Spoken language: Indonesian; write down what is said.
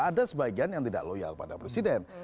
ada sebagian yang tidak loyal pada presiden